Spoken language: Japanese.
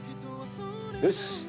よし。